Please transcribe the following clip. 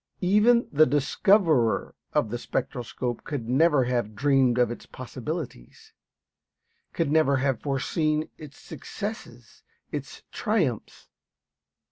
Even the discoverer of the spectroscope could never have dreamed of its possibilities, could never have foreseen its successes, its triumphs.